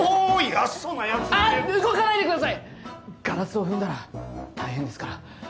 ガラスを踏んだら大変ですからここは僕が。